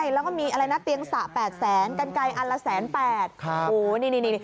แล้วก็มีเตียงสระ๘๐๐๐๐๐บาทกันไกลอันละ๑๘๐๐๐๐บาท